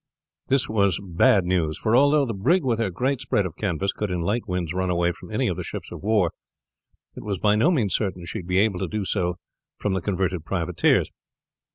This was bad news; for although the brig with her great spread of canvas could in light winds run away from any of the ships of war, it was by no means certain she would be able to do so from the converted privateers.